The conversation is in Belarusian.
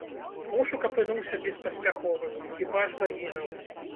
Пошук апынуўся беспаспяховым, экіпаж загінуў.